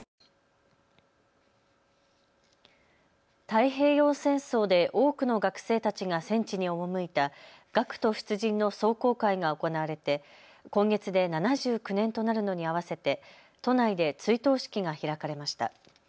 太平洋戦争で多くの学生たちが戦地に赴いた学徒出陣の壮行会が行われて今月で７９年となるのに合わせて都内で追悼式が開かれました。